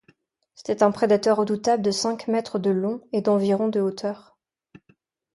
C'était un prédateur redoutable de cinq mètres de long et d'environ de hauteur.